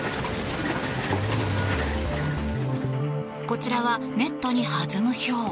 こちらはネットに弾むひょう。